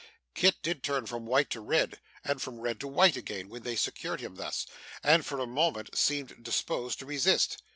Kit did turn from white to red, and from red to white again, when they secured him thus, and for a moment seemed disposed to resist.